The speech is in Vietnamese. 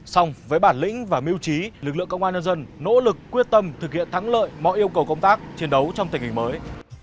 xong với bản lĩnh và mưu trí lực lượng công an nhân dân nỗ lực quyết tâm thực hiện thắng lợi mọi yêu cầu công tác chiến đấu trong tình hình mới